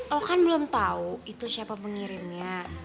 oh kan belum tahu itu siapa pengirimnya